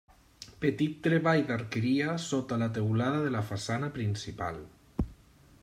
Petit treball d'arqueria sota la teulada de la façana principal.